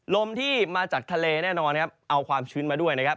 ลมที่มาจากทะเลแน่นอนครับเอาความชื้นมาด้วยนะครับ